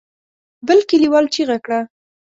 بل کليوال چيغه کړه.